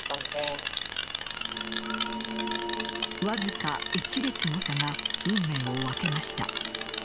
わずか１列の差が運命を分けました。